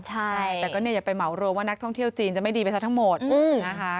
ใช่แต่ก็เนี่ยอย่าไปเหมารวมว่านักท่องเที่ยวจีนจะไม่ดีไปซะทั้งหมดนะคะ